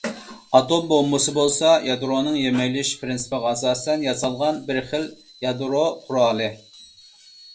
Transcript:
ئاتوم بومبىسى بولسا يادرونىڭ يىمىرىلىش پىرىنسىپىغا ئاساسەن ياسالغان بىرخىل يادرو قورالى.